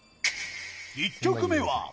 １曲目は。